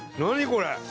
これ！